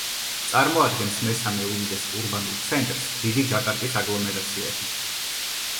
წარმოადგენს მესამე უდიდეს ურბანულ ცენტრს დიდი ჯაკარტის აგლომერაციაში.